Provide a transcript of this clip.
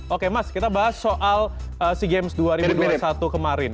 oke mas kita bahas soal sea games dua ribu dua puluh satu kemarin